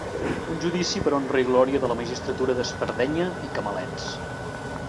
Un judici per a honra i glòria de la magistratura d'espardenya i camalets.